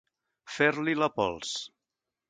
Fer-li la pols.